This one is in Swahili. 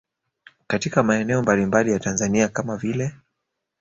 Katika maeneo mbalimbali ya Tanzania kama vile